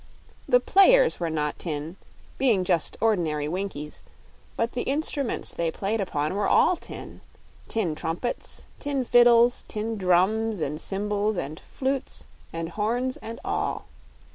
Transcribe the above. The players were not tin, being just ordinary Winkies; but the instruments they played upon were all tin tin trumpets, tin fiddles, tin drums and cymbals and flutes and horns and all.